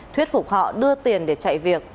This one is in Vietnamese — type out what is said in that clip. thuyết phục họ đưa tiền để chạy việc